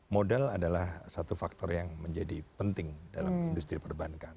modal adalah satu faktor yang menjadi penting dalam industri perbankan